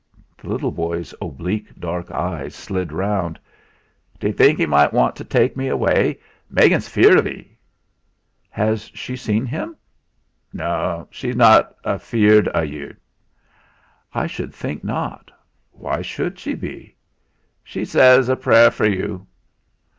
The little boy's oblique dark eyes slid round. "D'yu think 'e might want to take me away? Megan's feared of 'e." "Has she seen him?" "No. She's not afeared o' yu." "I should think not. Why should she be?" "She zays a prayer for yu."